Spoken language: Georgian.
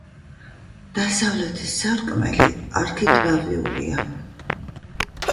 დასავლეთი სარკმელი არქიტრავულია.